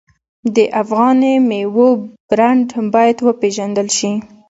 د افغاني میوو برنډ باید وپیژندل شي.